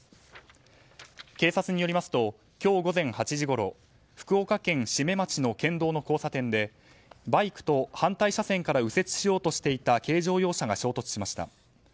警察によりますと今日午前８時ごろ福岡県志免町の県道の交差点でバイクと、反対車線から右折しようとしていた軽乗用車が衝突しました。